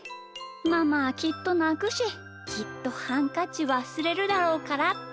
ママはきっとなくしきっとハンカチわすれるだろうからって。